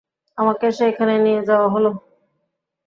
আমাকে সেইখানে নিয়ে যাওয়া হল।